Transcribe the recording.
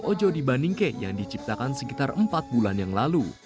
ojo di bandingke yang diciptakan sekitar empat bulan yang lalu